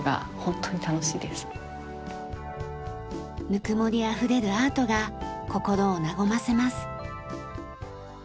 ぬくもりあふれるアートが心を和ませます。